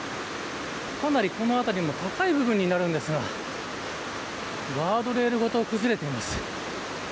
かなりこの辺り高い部分になるんですがガードレールごと崩れています。